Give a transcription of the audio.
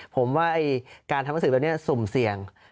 ผมว่าการทำหนังสือแบบนี้สุ่มเสี่ยง